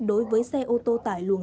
đối với xe ô tô tải luồng